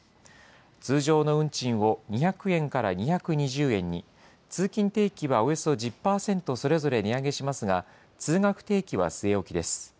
通常の運賃を２００円から２２０円に、通勤定期はおよそ１０％それぞれ値上げしますが、通学定期は据え置きです。